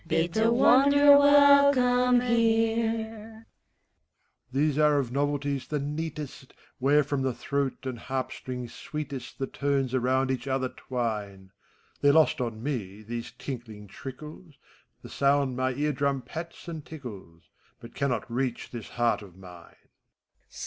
Bid the wanderer welcome here. MEPHISTOPHELES. These are of novelties the neatest, Where from the throat and harp string sweetest The tones around each other twine. They're lost on me, these tinkling trickles; The sound my ear drum pats and tickles. But cannot reach this heart of mine.